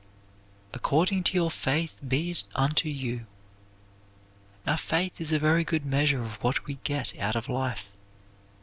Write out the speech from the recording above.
"According to your faith be it unto you." Our faith is a very good measure of what we get out of life.